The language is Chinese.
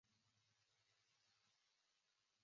华山角头势力从日治时期延续至今。